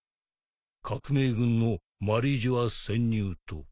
革命軍のマリージョア潜入と。